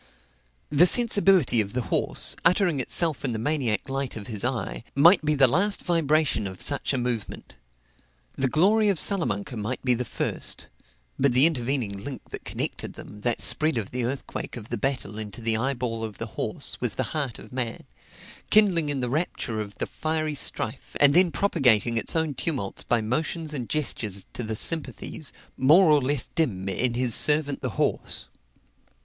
The sensibility of the horse, uttering itself in the maniac light of his eye, might be the last vibration of such a movement; the glory of Salamanca might be the first but the intervening link that connected them, that spread the earthquake of the battle into the eyeball of the horse, was the heart of man kindling in the rapture of the fiery strife, and then propagating its own tumults by motions and gestures to the sympathies, more or less dim, in his servant the horse.